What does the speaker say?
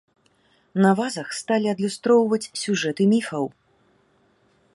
На вазах сталі адлюстроўваць сюжэты міфаў.